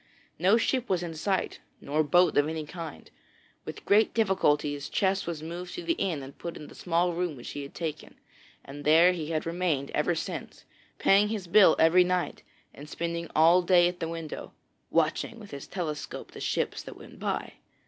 No ship was in sight, nor boat of any kind. With great difficulty his chest was moved to the inn and put in the small room which he had taken, and there he had remained ever since, paying his bill every night and spending all day at the window, watching with his telescope the ships that went by.